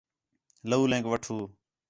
لَولینک وَٹّھو